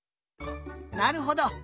なるほど！